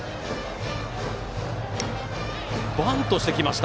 バントをしてきました。